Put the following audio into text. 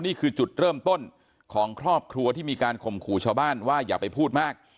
นี่คือจุดเริ่มต้นของครอบครัวที่มีการข่มขู่ชาวบ้านว่าอย่าไปพูดมาก